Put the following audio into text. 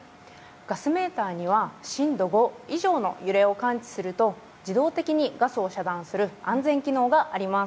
ガスメーターには震度５以上の揺れを感知すると自動的にガスを遮断する安全機能があります。